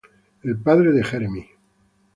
El padre de Jeremy.